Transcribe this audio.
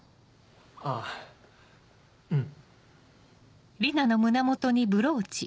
あぁうん。